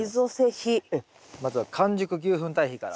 まずは完熟牛ふん堆肥から。